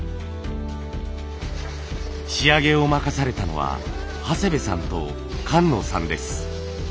仕上げを任されたのは長谷部さんと菅野さんです。